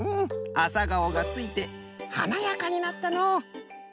アサガオがついてはなやかになったのう。